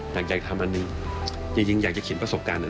อยากจะทำอันนี้จริงอยากจะเขียนประสบการณ์อันนี้นะ